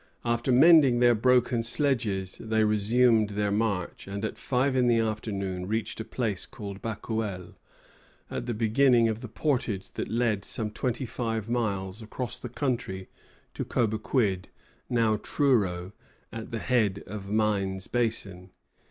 After mending their broken sledges they resumed their march, and at five in the afternoon reached a place called Bacouel, at the beginning of the portage that led some twenty five miles across the country to Cobequid, now Truro, at the head of Mines Basin.